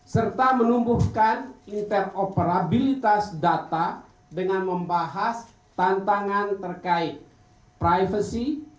serta menumbuhkan interoperabilitas data dengan membahas tantangan terkait privacy